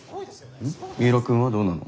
三浦くんはどうなの？